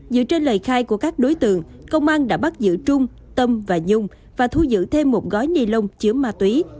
với lời khai của các đối tượng công an đã bắt giữ trung tâm và nhung và thu giữ thêm một gói ni lông chứa ma túy